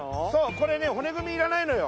これね骨組みいらないのよ。